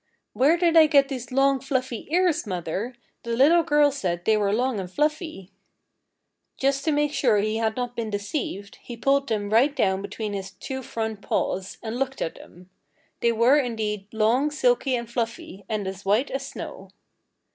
"Where did I get these long, fluffy ears, mother? The little girl said they were long and fluffy." Just to make sure he had not been deceived, he pulled them right down between his two front paws, and looked at them. They were, indeed, long, silky and fluffy, and as white as snow.